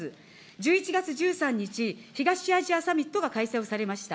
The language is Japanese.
１１月１３日、東アジアサミットが開催をされました。